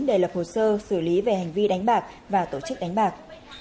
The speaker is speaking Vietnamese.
để lập hồ sơ xử lý về hành vi đánh bạc và tổ chức đánh bạc